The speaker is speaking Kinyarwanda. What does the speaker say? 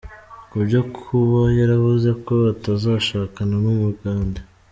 Kubyo kuba yaravuze ko atazashakana n’umugande.